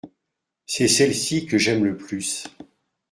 C’est celle-ci que j’aime le plus.